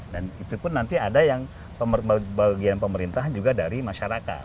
dan itu pun nanti ada yang bagian pemerintahan juga dari masyarakat